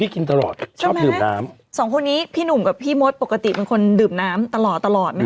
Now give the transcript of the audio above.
กินตลอดชอบดื่มน้ำสองคนนี้พี่หนุ่มกับพี่มดปกติเป็นคนดื่มน้ำตลอดตลอดไหมค